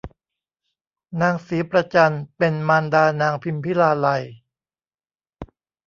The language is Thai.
นางศรีประจันเป็นมารดานางพิมพิลาไลย